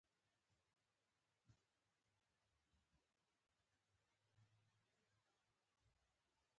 په سړک لاړې او بلغم اچول بد عمل دی.